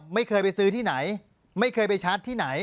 ไม่เคยไปซื้อที่ไหนไม่เคยไปชาร์จที่ไหน